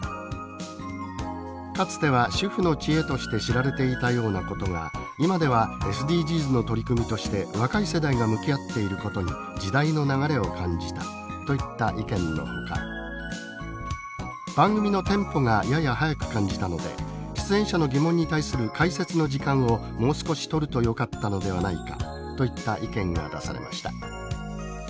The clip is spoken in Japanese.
「かつては主婦の知恵として知られていたようなことが今ではＳＤＧｓの取り組みとして若い世代が向き合っていることに時代の流れを感じた」といった意見のほか「番組のテンポがやや速く感じたので出演者の疑問に対する解説の時間をもう少し取るとよかったのではないか」といった意見が出されました。